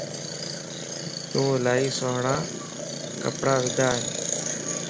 تو الائي سھڻا ڪپڙا ودا ائين